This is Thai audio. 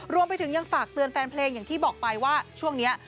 รวมไปถึงยังฝากเตือนแฟนเพลงอย่างที่บอกไปว่าช่วงนี้